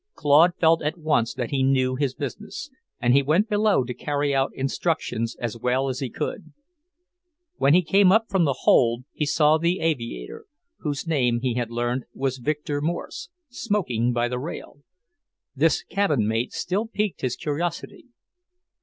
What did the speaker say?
Claude felt at once that he knew his business, and he went below to carry out instructions as well as he could. When he came up from the hold, he saw the aviator whose name, he had learned, was Victor Morse smoking by the rail. This cabin mate still piqued his curiosity.